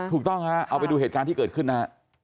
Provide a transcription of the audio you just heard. ถูกต้องฮะเอาไปดูเหตุการณ์ที่เกิดขึ้นนะฮะ